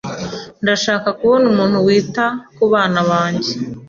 Ndashaka kubona umuntu wita kubana banjye.